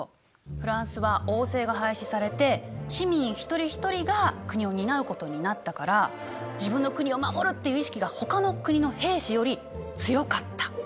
フランスは王政が廃止されて市民一人一人が国を担うことになったから自分の国を守るっていう意識がほかの国の兵士より強かった。